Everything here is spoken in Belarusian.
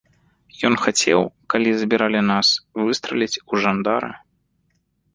Ён хацеў, калі забіралі нас, выстраліць у жандара.